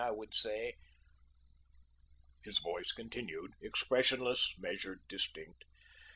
I would say " His voice continued, expressionless, measured, distinct.